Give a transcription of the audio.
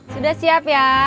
sudah siap ya